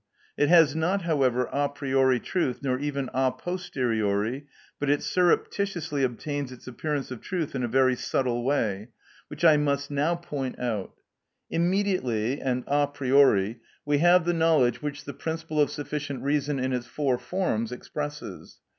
It has not, however, a priori truth, nor even a posteriori, but it surreptitiously obtains its appearance of truth in a very subtle way, which I must now point out. Immediately, and a priori, we have the knowledge which the principle of sufficient reason in its four forms expresses.